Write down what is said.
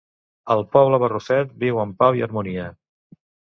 El Poble Barrufet viu en pau i harmonia.